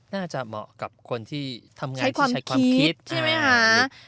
น่าจะเหมาะกับคนที่ทำงานที่ใช้ความคิด